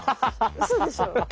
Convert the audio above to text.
うそでしょ？